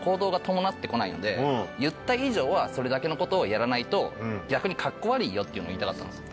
言った以上はそれだけのことをやらないと逆にカッコ悪いよっていうのを言いたかったんですよ。